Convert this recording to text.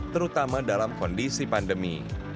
terutama dalam kondisi pandemi